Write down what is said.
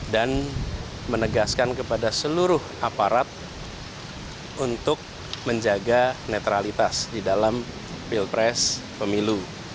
dan menegaskan kepada seluruh aparat untuk menjaga netralitas di dalam pilpres pemilu